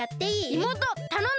いもうとたのんだ！